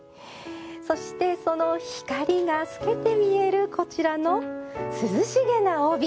そして、その光が透けて見えるこちらの涼しげな帯。